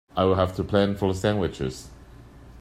I'll have to plan for the sandwiches.